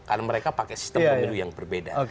karena mereka pakai sistem pemilu yang berbeda